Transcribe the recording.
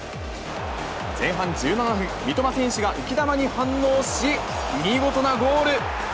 前半１７分、三笘選手が浮き球に反応し、見事なゴール。